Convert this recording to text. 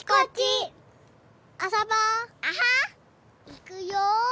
いくよ。